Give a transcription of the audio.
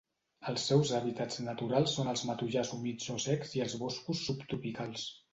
Els seus hàbitats naturals són els matollars humits o secs i els boscos subtropicals.